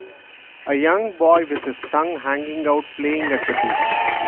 A young boy with his tongue hanging out playing at the beach.